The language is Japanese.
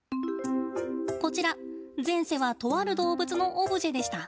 こちら前世はとある動物のオブジェでした。